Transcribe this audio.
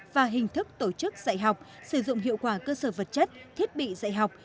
và hình thức tổ chức dạy học sử dụng hiệu quả cơ sở vật chất thiết bị dạy học